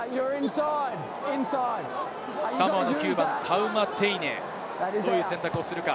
サモアの９番・タウマテイネ、どういう選択をするか。